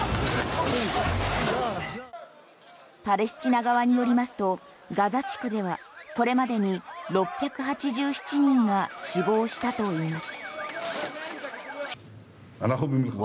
パレスチナ側によりますとガザ地区ではこれまでに６８７人が死亡したといいます。